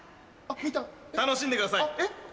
楽しんでください！